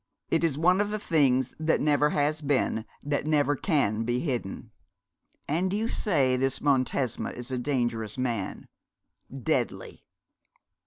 It is one of the things that never has been, that never can be hidden.' 'And you say this Montesma is a dangerous man?' 'Deadly.'